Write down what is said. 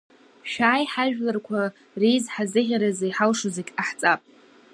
Шәааи ҳажәларқәа реизҳазыӷьара азы иҳалшо зегьы ҟаҳҵап!